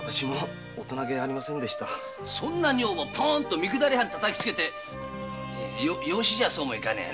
そんな女房ポンと三下り半をたたきつけて養子じゃそうもいかねえや。